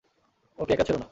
ওকে একা ছেড়ো না।